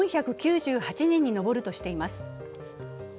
４９８人に上るとしています。